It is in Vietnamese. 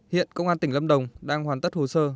hiện công an tỉnh lâm đồng đang hoàn tất hồ sơ